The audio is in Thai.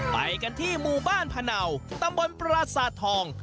ไปกันที่หมู่บ้านพะเนาตำบลปราสาททอง